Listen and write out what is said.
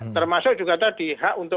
termasuk juga tadi hak untuk